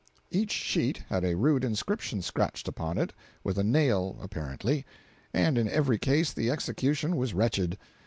Each sheet had a rude inscription scratched upon it—with a nail, apparently—and in every case the execution was wretched.